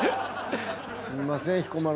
すいません彦摩呂さん。